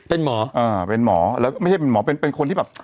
เป็นหมออ่าเป็นหมอแล้วก็ไม่ใช่เป็นหมอเป็นคนที่แบบ